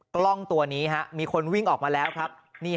กล้องตัวนี้มีคนวิ่งออกมาแล้วครับ